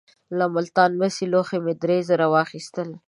له ملتان مسي لوښي مې درې زره واخیستل.